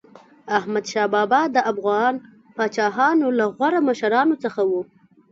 احمدشاه بابا د افغان پاچاهانو له غوره مشرانو څخه و.